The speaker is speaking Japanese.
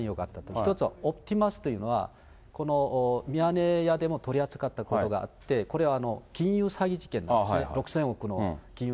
１つはオッキマスというのは、このミヤネ屋でも取り扱ったことがあって、これは、金融詐欺事件ですね、６０００億の金融